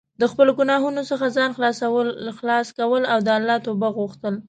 د خپلو ګناهونو څخه ځان خلاص کول او د الله توبه غوښتل.